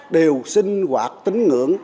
đều sinh hoạt tín ngưỡng